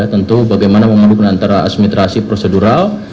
tentu bagaimana memadukan antara administrasi prosedural